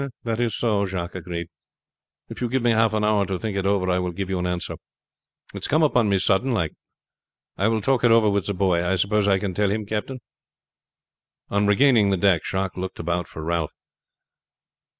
"That is so," Jacques agreed. "If you give me half an hour to think it over I will give you an answer. It's come upon me sudden like. I will talk it over with the boy. I suppose I can tell him, captain?" On regaining the deck Jacques looked about for Ralph.